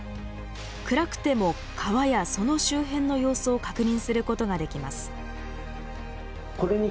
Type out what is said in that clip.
暗くても川やその周辺の様子を確認することができます。